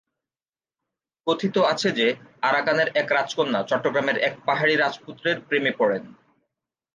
কথিত আছে যে, আরাকানের এক রাজকন্যা চট্টগ্রামের এক পাহাড়ি রাজপুত্রের প্রেমে পড়েন।